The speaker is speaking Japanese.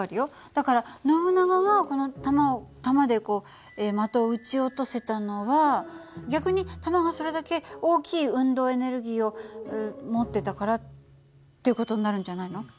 だからノブナガはこの弾を弾でこう的を撃ち落とせたのは逆に弾がそれだけ大きい運動エネルギーを持ってたからっていう事になるんじゃないの？